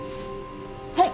はい。